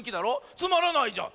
つまらないじゃん。